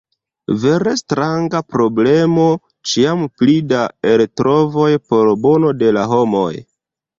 Vere stranga problemo: ĉiam pli da eltrovoj por bono de la homoj.